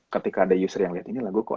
ketika ada user yang liat ini lagu kok